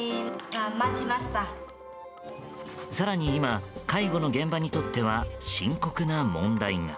更に今、介護の現場にとっては深刻な問題が。